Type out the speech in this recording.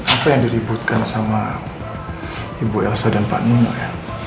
apa yang diributkan sama ibu elsa dan pak nino ya